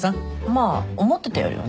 まあ思ってたよりはね。